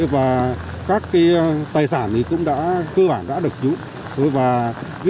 và các tài sản cũng đã cơ bản được cứu